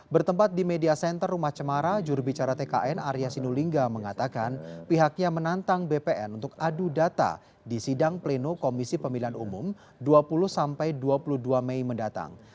bertempat di media center rumah cemara jurubicara tkn arya sinulinga mengatakan pihaknya menantang bpn untuk adu data di sidang pleno komisi pemilihan umum dua puluh sampai dua puluh dua mei mendatang